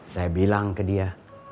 saya bilang ke dia